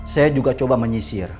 saya juga coba menyisir